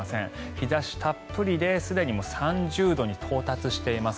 日差したっぷりですでに３０度に到達しています。